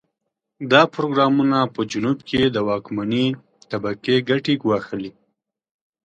دا پروګرامونه په جنوب کې د واکمنې طبقې ګټې ګواښلې.